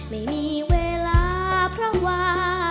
ไม่มีเวลาเพราะว่า